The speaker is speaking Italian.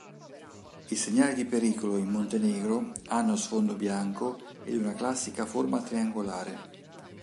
I segnali di pericolo in Montenegro hanno sfondo bianco ed una classica forma triangolare.